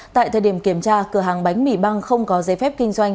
tại thời điểm kiểm tra cửa hàng bánh mì băng không có giấy phép kinh doanh